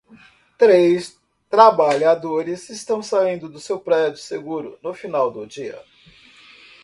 Três trabalhadores estão saindo de seu prédio seguro no final do dia.